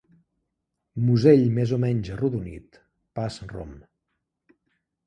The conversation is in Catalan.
Musell més o menys arrodonit, pas rom.